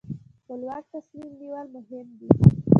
خپلواک تصمیم نیول مهم دي.